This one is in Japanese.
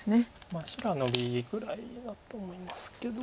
白はノビぐらいだと思いますけど。